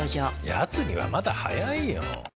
やつにはまだ早いよ。